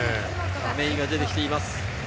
亀井が出てきています。